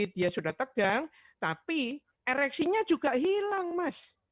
dia sudah tegang tapi ereksinya juga hilang mas